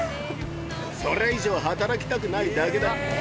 それ以上働きたくないだけだ。